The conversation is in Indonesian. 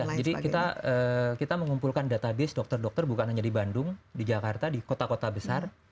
ya jadi kita mengumpulkan database dokter dokter bukan hanya di bandung di jakarta di kota kota besar